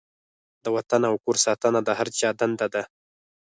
د وطن او کور ساتنه د هر چا دنده ده.